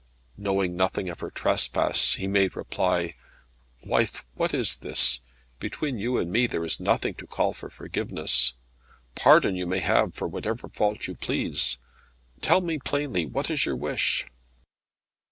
Knowing nothing of her trespass, he made reply, "Wife, what is this? Between you and me there is nothing to call for forgiveness. Pardon you may have for whatever fault you please. Tell me plainly what is your wish."